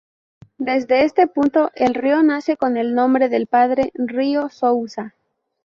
Desde este punto, el río nace con el nombre del Padre Río Souza.